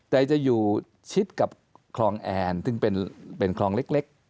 แต่จะอยู่ชิดกับคลองแอนซึ่งเป็นคลองเล็ก